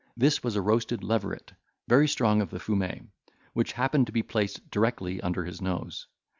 This was a roasted leveret, very strong of the fumet, which happened to be placed directly under his nose.